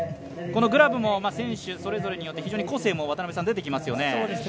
このグラブも選手それぞれによって非常に個性も出ていますよね。